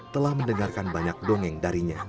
telah mendengarkan banyak dongeng darinya